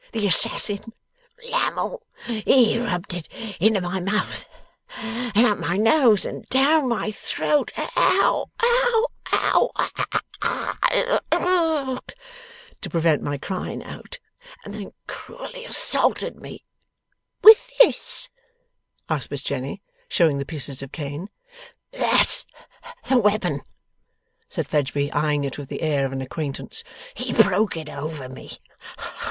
'The assassin. Lammle. He rubbed it into my mouth and up my nose and down my throat Ow! Ow! Ow! Ah h h h! Ugh! to prevent my crying out, and then cruelly assaulted me.' 'With this?' asked Miss Jenny, showing the pieces of cane. 'That's the weapon,' said Fledgeby, eyeing it with the air of an acquaintance. 'He broke it over me.